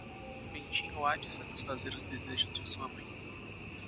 Bentinho há de satisfazer os desejos de sua mãe.